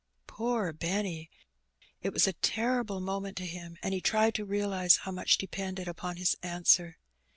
Poor Benny ! It was a terrible moment to him, and he tried to realize how much depended upon his answer.